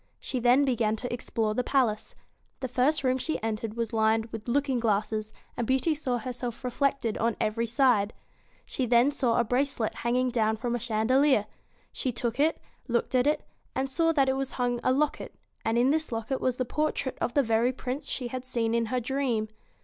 She then began to explore the palace. The first room she entered was lined with looking glasses, and Beauty saw herself reflected on every side. Then she saw a bracelet hanging down from a chandelier. She took it, looked at it, and saw that from it hung a locket, and in this locket was the portrait of the very Prince she had seen in her dream.